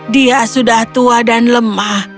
dia sudah tua dan lemah